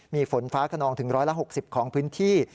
มีฝนฟ้าขนองถึง๑๖๐ของพื้นที่